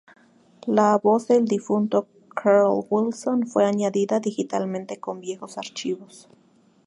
La voz del difunto Carl Wilson, fue añadida digitalmente con viejos archivos.